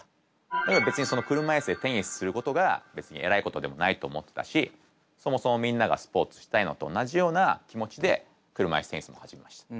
だから車いすでテニスすることが別に偉いことでもないと思ってたしそもそもみんながスポーツしたいのと同じような気持ちで車いすテニスも始めました。